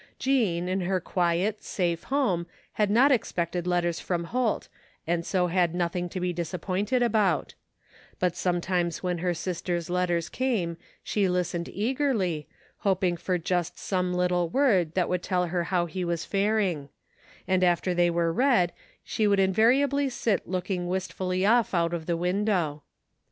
Jean in her quiet, safe home had not expected let ters from Holt and so had nothing to be disappointed about ; but sometimes when her sister's letters came she listened eagerly, hoping for just some little word that would tell her how he was faring ; and after they were read she wotdd invariably sit looking wistfully off out of the window.